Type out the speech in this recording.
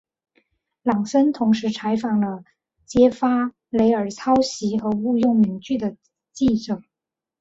朗森同时采访了揭发雷尔抄袭和误用名句的记者。